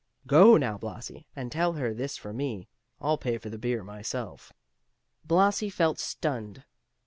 Go now, Blasi, and tell her this from me. I'll pay for the beer myself." Blasi felt stunned.